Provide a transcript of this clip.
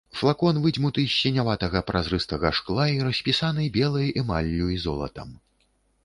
Флакон выдзьмуты з сіняватага празрыстага шкла і распісаны белай эмаллю і золатам.